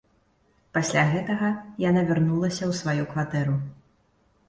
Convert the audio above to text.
Пасля гэтага яна вярнулася ў сваю кватэру.